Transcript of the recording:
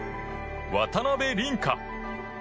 渡辺倫果。